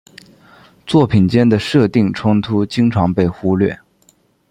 作品间的设定冲突经常被忽略。